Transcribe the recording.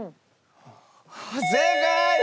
正解！